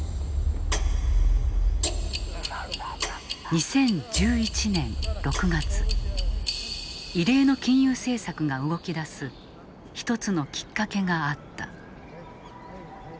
２０１１年６月異例の金融政策が動き出す１つのきっかけがあった。